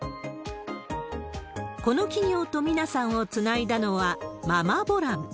この企業と美奈さんをつないだのは、ママボラン。